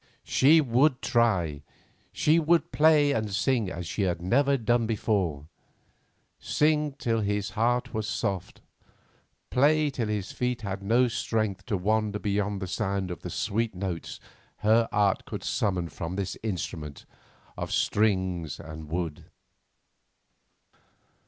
She would try; she would play and sing as she had never done before; sing till his heart was soft, play till his feet had no strength to wander beyond the sound of the sweet notes her art could summon from this instrument of strings and wood.